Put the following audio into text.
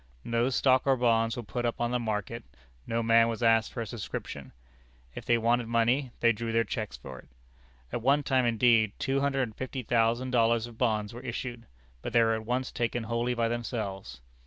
No stock or bonds were put upon the market; no man was asked for a subscription. If they wanted money, they drew their checks for it. At one time, indeed, two hundred and fifty thousand dollars of bonds were issued, but they were at once taken wholly by themselves.